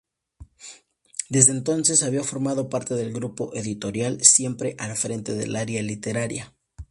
Desde entonces había formado parte del grupo editorial, siempre al frente del área literaria.